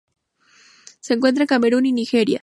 Se encuentra en Camerún y Nigeria.